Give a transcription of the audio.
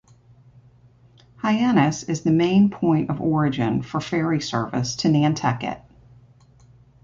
Hyannis is the main point of origin for ferry service to Nantucket.